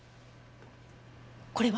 これは？